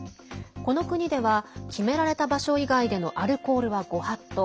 この国では決められた場所以外でのアルコールはご法度。